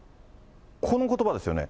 このことばですよね。